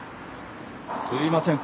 すみません。